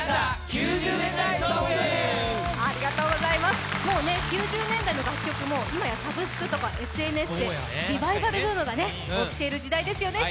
９０年代の楽曲はもう９０年代の楽曲もサブスクとかＳＮＳで、リバイバルブームが起きている時代ですよね。